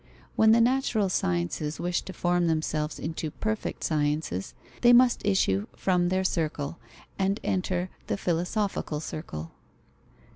When the natural sciences wish to form themselves into perfect sciences, they must issue from their circle and enter the philosophical circle.